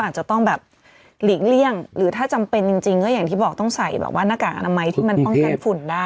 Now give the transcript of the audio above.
หลีกเลี่ยงหรือถ้าจำเป็นจริงจริงก็อย่างที่บอกต้องใส่แบบว่าหน้ากากอนามัยที่มันต้องการฝุ่นด้าน